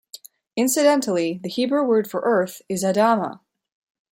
Incidentally, the Hebrew word for Earth is Adama.